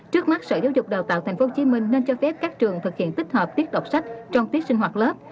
trước mắt sở giáo dục đào tạo tp hcm nên cho phép các trường thực hiện tích hợp tiết đọc sách trong tiết sinh hoạt lớp